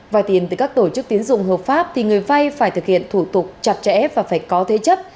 vai tiền từ các tổ chức tiến dụng hợp pháp thì người vay phải thực hiện thủ tục chặt chẽ và phải có thế chấp